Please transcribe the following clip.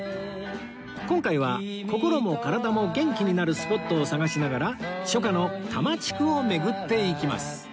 今回は心も体も元気になるスポットを探しながら初夏の多摩地区を巡っていきます